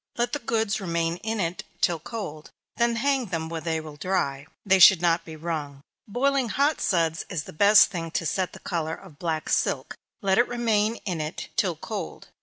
Let the goods remain in it till cold; then hang them where they will dry; (they should not be wrung.) Boiling hot suds is the best thing to set the color of black silk let it remain in it till cold.